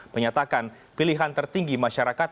menyatakan pilihan tertinggi masyarakat